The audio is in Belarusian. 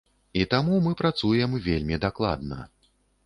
І таму мы працуем вельмі дакладна.